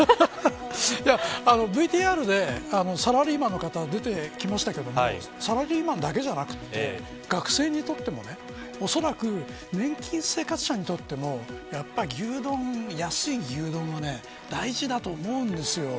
ＶＴＲでサラリーマンの方出てきましたけどサラリーマンだけではなくて学生にとってもおそらく年金生活者にとっても安い牛丼は大事だと思うんです。